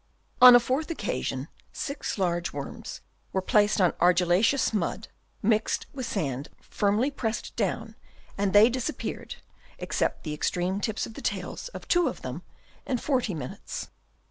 On a fourth occasion six lar^e worms were placed on argillaceous mud mixed with sand firmly pressed down, and they disappeared, except the extreme tips of the tails of two of them, in 40 minutes.